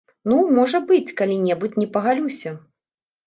Ну, можа быць, калі-небудзь не пагалюся.